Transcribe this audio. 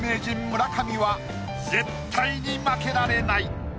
村上は絶対に負けられない。